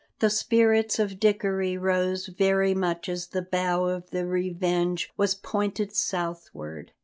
The spirits of Dickory rose very much as the bow of the Revenge was pointed southward.